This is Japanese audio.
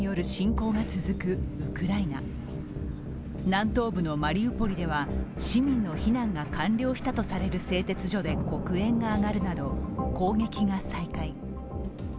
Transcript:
南東部のマリウポリでは市民の避難が完了したとされる製鉄所で黒煙が上がるなど攻撃が再開。